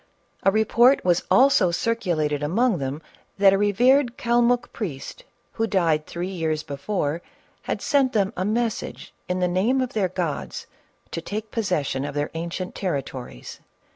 A report was also circulated among them that a revered Calmuck priest, who died three years before, had sent them a message in the name of their gods to take possession of their ancient territories.